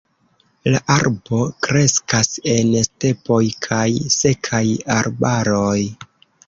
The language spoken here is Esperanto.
La arbo kreskas en stepoj kaj sekaj arbaroj.